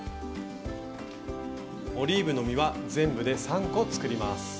オリーブの実は全部で３個作ります。